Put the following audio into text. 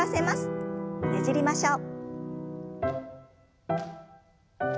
ねじりましょう。